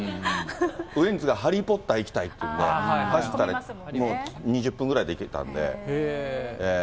ウエンツがハリー・ポッター行きたいっていうんで、走ったらもう２０分ぐらいで行けたんで。